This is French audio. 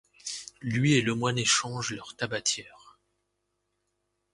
Lui et le moine échangent leurs tabatières.